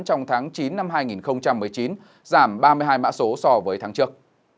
trong tháng chín năm hai nghìn một mươi chín giảm ba mươi hai mã số so với tháng trước